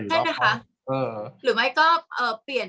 กากตัวทำอะไรบ้างอยู่ตรงนี้คนเดียว